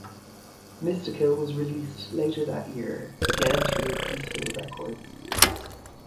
Mystica was released later that year, again through Peaceville Records.